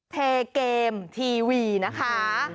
เทเกมทีวีนะคะ